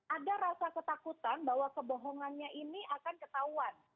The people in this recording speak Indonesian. ada rasa ketakutan bahwa kebohongannya ini akan ketahuan